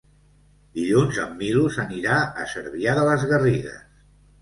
Dilluns en Milos anirà a Cervià de les Garrigues.